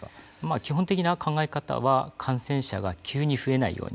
基本的な考え方は感染者が急に増えないように。